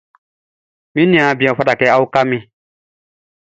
Mi niaan bian, ɔ fata kɛ a uka min.